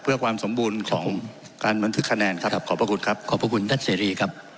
เพื่อความสมบูรณ์ของการบันทึกคะแนนครับขอบพระคุณครับขอบพระคุณท่านเสรีครับ